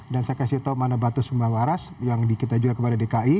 dan saya kasih tau mana batu sumber waras yang kita jual kepada dki